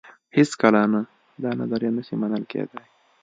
هېڅکله نه دا نظریه نه شي منل کېدای.